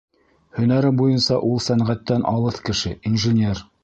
Һөнәре буйынса ул сәнғәттән алыҫ кеше — инженер.